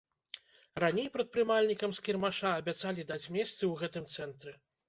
Раней прадпрымальнікам з кірмаша абяцалі даць месцы ў гэтым цэнтры.